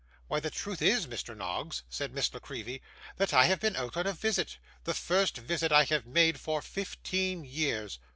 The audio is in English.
'Why, the truth is, Mr. Noggs,' said Miss La Creevy, 'that I have been out on a visit the first visit I have made for fifteen years.